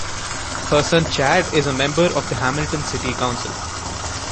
Her son Chad is a member of the Hamilton City Council.